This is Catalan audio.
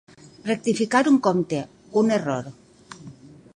Rectificar un compte, un error.